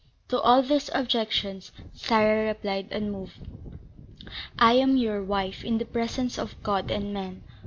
To all these objections Sarah replied, unmoved: "I am your wife in the presence of God and men.